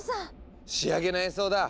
仕上げの演奏だ！